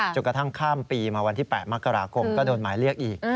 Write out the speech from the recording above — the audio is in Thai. กระทั่งข้ามปีมาวันที่๘มกราคมก็โดนหมายเรียกอีก